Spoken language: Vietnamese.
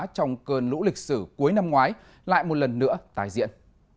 trong cơn lũ lịch sử cuối năm ngoái lại một lần nữa tài diện